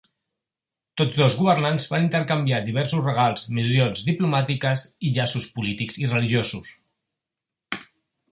Tots dos governants van intercanviar diversos regals, missions diplomàtiques i llaços polítics i religiosos.